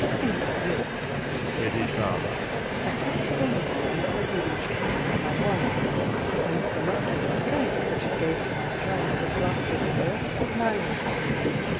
"In my youth," said his father, "I took to the law, And argued each case with my wife; And the muscular strength, which it gave to my jaw, Has lasted the rest of my life."